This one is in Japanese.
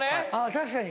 確かに。